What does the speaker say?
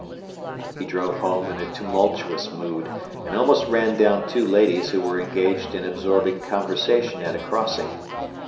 He drove home in a tumultuous mood, and almost ran down two ladies who were engaged in absorbing conversation at a crossing.